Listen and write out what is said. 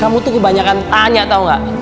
kamu tuh kebanyakan tanya tau gak